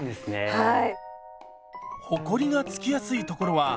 はい。